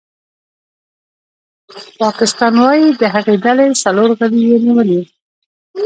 پاکستان وايي د هغې ډلې څلور غړي یې نیولي